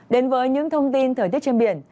đến với những thông tin thời tiết trên biển